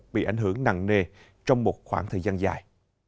bị ảnh hưởng nặng nề trong một khoảng thời gian dài